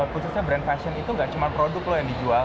khususnya brand fashion itu nggak cuma produk yang dijual